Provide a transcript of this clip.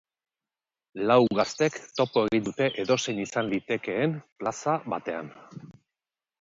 Lau gaztek topo egin dute edozein izan litekeen plaza batean.